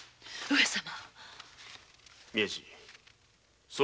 上様。